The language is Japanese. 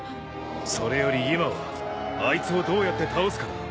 それより今はあいつをどうやって倒すかだ。